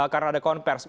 karena ada konvers